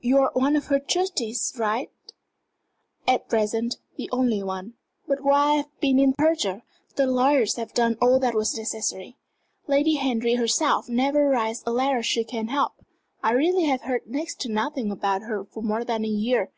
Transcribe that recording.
You're one of her trustees, aren't you?" "At present, the only one. But while I have been in Persia the lawyers have done all that was necessary. Lady Henry herself never writes a letter she can help. I really have heard next to nothing about her for more than a year.